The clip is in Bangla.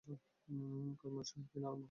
কর্মের উৎসাহে দিন আরম্ভ হইত।